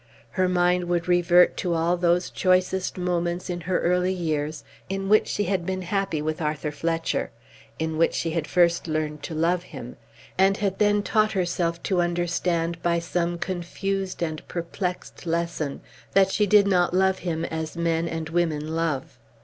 Her mind would revert to all those choicest moments in her early years in which she had been happy with Arthur Fletcher; in which she had first learned to love him, and had then taught herself to understand by some confused and perplexed lesson that she did not love him as men and women love.